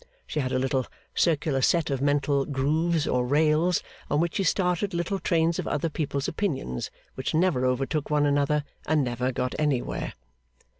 She had a little circular set of mental grooves or rails on which she started little trains of other people's opinions, which never overtook one another, and never got anywhere.